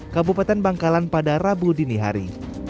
kabupaten bangkalan pada rabu dini hari